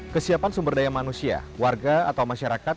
kesiapan sumber daya manusia warga atau masyarakat